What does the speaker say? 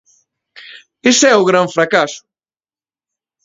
Ese é o gran fracaso.